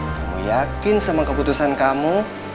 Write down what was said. kamu yakin sama keputusan kamu